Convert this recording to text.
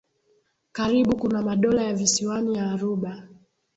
Karibi kuna madola ya visiwani ya Aruba